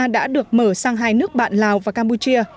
đã được mở sang hai nước bạn lào và campuchia